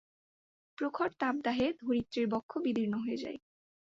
প্রখর তাপদাহে ধরিত্রীর বক্ষ বিদীর্ণ হয়ে যায়।